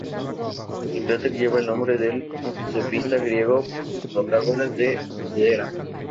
El cráter lleva el nombre del sofista griego Protágoras de Abdera.